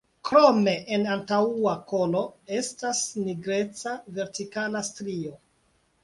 Krome en antaŭa kolo estas nigreca vertikala strio.